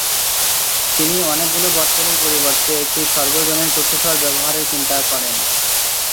তিনি অনেকগুলো বর্তনীর পরিবর্তে একটি সর্বজনীন প্রসেসর ব্যবহারের চিন্তা করেন।